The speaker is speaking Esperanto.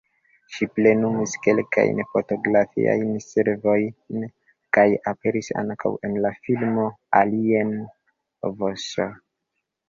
Ŝi plenumis kelkajn fotografiajn servojn kaj aperis ankaŭ en la filmo "Alien vs.